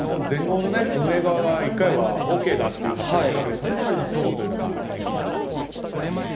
全豪の運営側が１回はＯＫだとしているわけでその辺りの齟齬というのが大変気になるところです。